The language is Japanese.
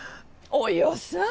およさぁ。